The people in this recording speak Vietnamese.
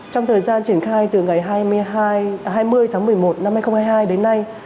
trong thời gian triển khai từ ngày hai mươi tháng một mươi một năm hai nghìn hai mươi hai đến nay